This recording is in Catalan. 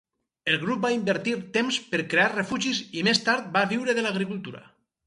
El grup va invertir temps per crear refugis i més tard va viure de l'agricultura.